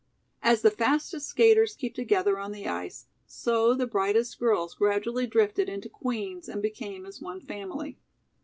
As the fastest skaters keep together on the ice, so the brightest girls gradually drifted into Queen's and became as one family.